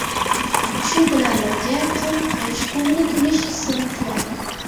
shu bilan birga qoniqish-koʻngli toʻlish hissini tuyadi.